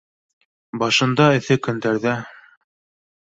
Башында эҫе көндәрҙә